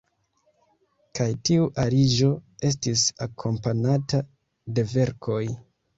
Kaj tiu aliĝo estis akompanata de verkoj.